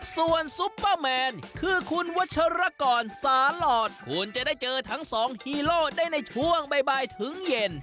ส่วนซุปเปอร์แมนคือคุณวัชรกรสาหลอดคุณจะได้เจอทั้งสองฮีโร่ได้ในช่วงบ่ายถึงเย็น